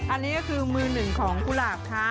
อันนี้ก็คือมือหนึ่งของกุหลาบค่ะ